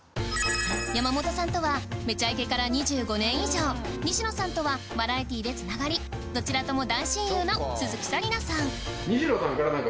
山本さんとは『めちゃイケ』から２５年以上西野さんとはバラエティーで繋がりどちらとも大親友の鈴木紗理奈さん